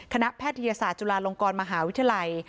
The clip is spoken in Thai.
แพทยศาสตร์จุฬาลงกรมหาวิทยาลัย